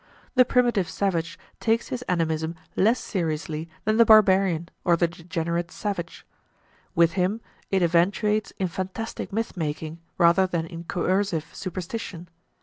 The primitive savage takes his animism less seriously than the barbarian or the degenerate savage. With him it eventuates in fantastic myth making, rather than in coercive superstition.